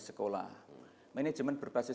sekolah management berbasis